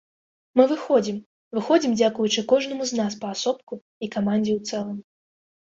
Мы выходзім, выходзім дзякуючы кожнаму з нас паасобку і камандзе ў цэлым.